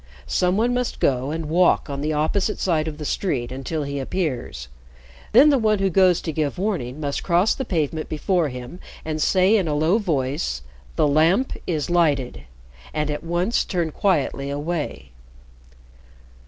Some one must go and walk on the opposite side of the street until he appears. Then the one who goes to give warning must cross the pavement before him and say in a low voice, 'The Lamp is lighted!' and at once turn quietly away."